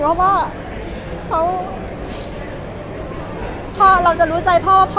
โครงจะเป็นห่วงเรามากอยู่ดีค่ะถึงวันนี้ก็เหอะ